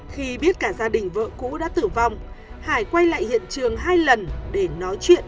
khi biết cả gia đình vợ cũ đã tử vong hải quay lại hiện trường hai lần để nói chuyện